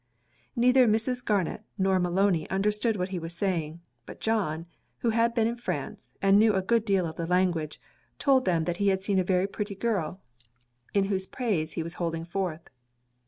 Neither Mrs. Garnet nor Maloney understood what he was saying; but John, who had been in France, and knew a good deal of the language, told them that he had seen a very pretty girl, in whose praise he was holding forth.